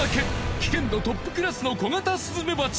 危険度トップクラスのコガタスズメバチ。